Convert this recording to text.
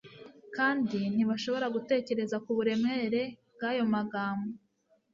kandi ntibashoboraga gutekereza ku buremere bw'ayo magambo.